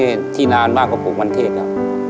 ถามแหลงนี่ที่นานมากกว่าบริกษ์มันเทศครับ